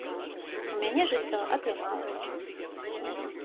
У мяне жыццё атрымалася.